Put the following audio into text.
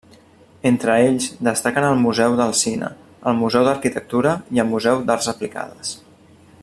Entre ells destaquen el Museu del Cine, el Museu d'Arquitectura i el Museu d'Arts Aplicades.